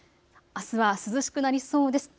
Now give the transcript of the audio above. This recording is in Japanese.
あすは涼しくなりそうです。